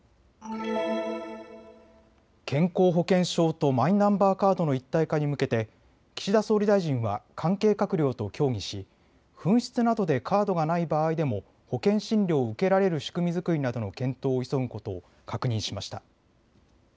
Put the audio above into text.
健康保険証とマイナンバーカードの一体化に向けて岸田総理大臣は関係閣僚と協議し、紛失などでカードがない場合でも保険診療を受けられる仕組み作りなどの検討を急ぐことを確認しました。